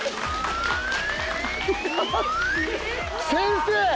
先生！